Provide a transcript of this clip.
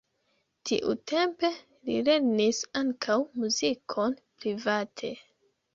Tiutempe li lernis ankaŭ muzikon private.